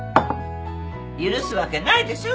許すわけないでしょ